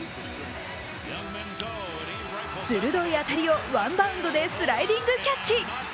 鋭い当たりをワンバウンドでスライディングキャッチ。